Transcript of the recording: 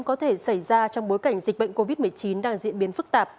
có thể xảy ra trong bối cảnh dịch bệnh covid một mươi chín đang diễn biến phức tạp